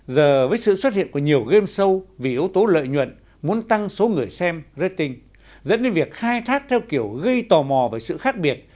giờ với sự xuất hiện của nhiều game show vì yếu tố lợi nhuận muốn tăng số người xem rating dẫn đến việc khai thác theo kiểu gây tò mò về sự khác biệt